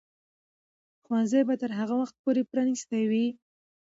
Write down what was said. ښوونځي به تر هغه وخته پورې پرانیستي وي.